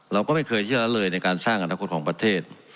เราก็ไม่เคยเชื่อนั้นเลยในการสร้างอนาคตของประเทศ